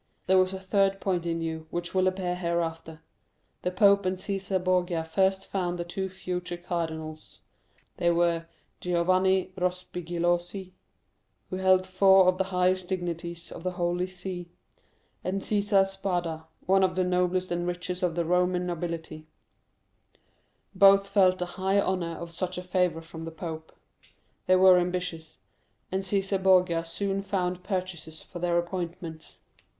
There was a third point in view, which will appear hereafter. "The pope and Cæsar Borgia first found the two future cardinals; they were Giovanni Rospigliosi, who held four of the highest dignities of the Holy See, and Cæsar Spada, one of the noblest and richest of the Roman nobility; both felt the high honor of such a favor from the pope. They were ambitious, and Cæsar Borgia soon found purchasers for their appointments.